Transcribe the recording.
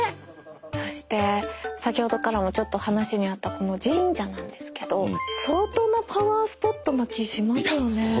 そして先ほどからもちょっと話にあったこの神社なんですけど相当なパワースポットな気しますよね。